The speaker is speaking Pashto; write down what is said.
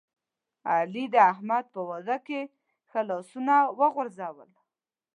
علی د احمد په واده کې ښه لاسونه وغورځول.